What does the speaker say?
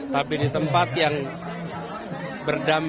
tapi di tempat yang berdampak